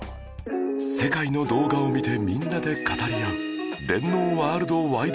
世界の動画を見てみんなで語り合う